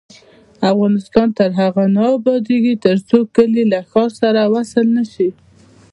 افغانستان تر هغو نه ابادیږي، ترڅو کلي له ښار سره وصل نشي.